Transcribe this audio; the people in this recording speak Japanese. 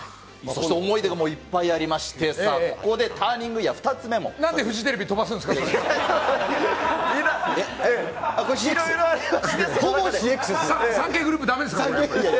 そして思い出がいっぱいありまして、ここでターニングイヤー、なんでフジテレビ、飛ばすんいやいやいや。